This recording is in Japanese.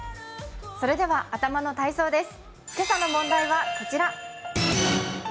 それでは頭の体操です。